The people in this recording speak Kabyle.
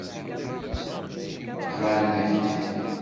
Ɣran-ak-d.